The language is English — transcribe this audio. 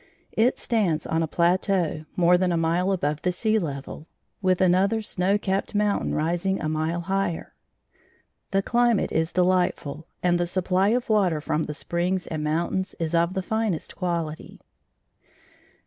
It stands on a plateau, more than a mile above the sea level, with another snow capped mountain rising a mile higher. The climate is delightful and the supply of water from the springs and mountains is of the finest quality.